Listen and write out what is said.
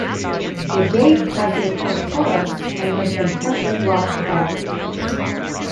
The gate has a portcullis and has been partly blocked up.